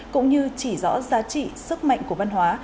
cũng như chỉ rõ giá trị sức mạnh của văn hóa